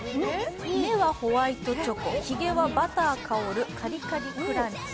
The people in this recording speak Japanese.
目はホワイトチョコ、ひげはバター香るカリカリクランチ。